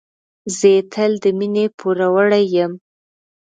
زه یې تل د مينې پوروړی یم.